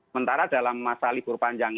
mentara dalam masa libur panjang